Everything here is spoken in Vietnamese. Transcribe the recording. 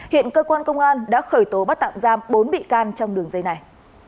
hiện cơ quan công an đã khởi tố bắt tạm giam bốn bị can trong đường dây này